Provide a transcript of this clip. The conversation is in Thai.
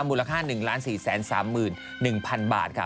มูลค่า๑๔๓๑๐๐๐บาทค่ะ